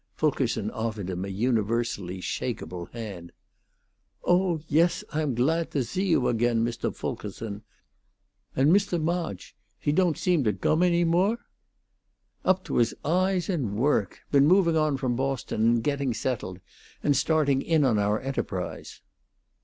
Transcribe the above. Fulkerson offered him a universally shakable hand. "Oh yes! I am gladt to zee you again, Mr. Vulkerson. And Mr. Marge he don't zeem to gome any more?" "Up to his eyes in work. Been moving on from Boston and getting settled, and starting in on our enterprise.